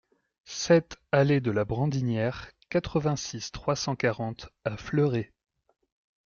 sept allée de la Brandinière, quatre-vingt-six, trois cent quarante à Fleuré